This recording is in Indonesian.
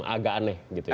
agak aneh gitu ya